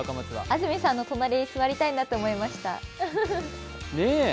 安住さんの隣に座りたいなと思いました。